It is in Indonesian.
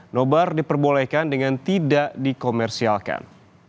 nobar diperbolehkan dengan tidak dikomersialkan